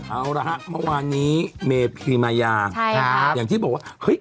เอาละฮะเมื่อวานนี้เมพีมายาอย่างที่บอกว่าเฮ้ย